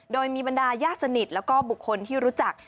โดยมีบรรดาย่าสนิทและบุคคลที่รู้จัก